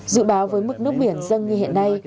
dự báo với mức nước biển dâng như hiện nay